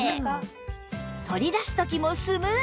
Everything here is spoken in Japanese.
取り出す時もスムーズ